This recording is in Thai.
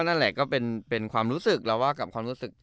นั่นแหละก็เป็นความรู้สึกเราว่ากับความรู้สึก